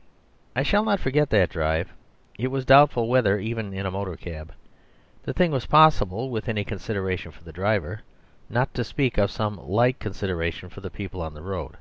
..... I shall not forget that drive. It was doubtful whether, even in a motor cab, the thing was possible with any consideration for the driver, not to speak of some slight consideration for the people in the road.